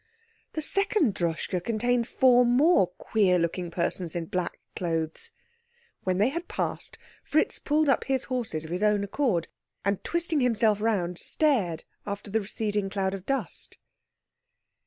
The second Droschke contained four more queer looking persons in black clothes. When they had passed, Fritz pulled up his horses of his own accord, and twisting himself round stared after the receding cloud of dust.